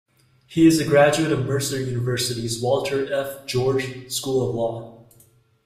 He is a graduate of Mercer University's Walter F. George School of Law.